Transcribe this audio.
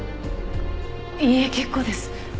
いいえ結構です。